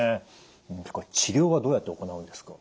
治療はどうやって行うんですか？